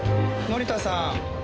森田さん？